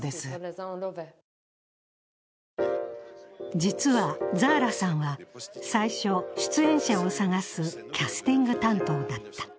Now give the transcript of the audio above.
実は、ザーラさんは最初、出演者を探すキャスティング担当だった。